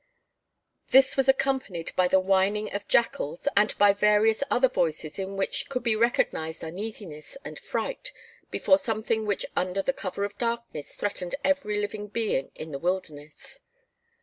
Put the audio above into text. This was accompanied by the whining of jackals and by various other voices in which could be recognized uneasiness and fright before something which under the cover of darkness threatened every living being in the wilderness.